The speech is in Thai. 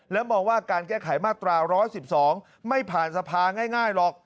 แล้วมองว่าการแก้ไขมาตรา๑๑๒ไม่ผ่านสภาง่ายหรอก